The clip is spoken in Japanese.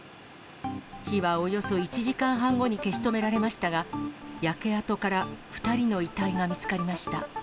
火はおよそ１時間半後に消し止められましたが、焼け跡から２人の遺体が見つかりました。